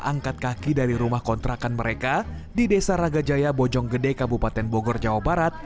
angkat kaki dari rumah kontrakan mereka di desa ragajaya bojonggede kabupaten bogor jawa barat